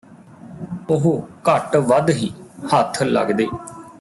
ਉਹ ਘੱਟ ਵੱਧ ਹੀ ਹੱਥ ਲੱਗਦੇ